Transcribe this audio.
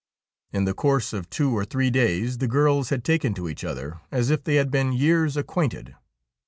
In the course of two or three days the girls had taken to each other as if they had been years acquainted.